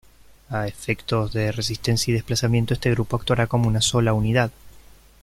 A efectos de resistencia y desplazamiento este grupo actuará como una sola unidad.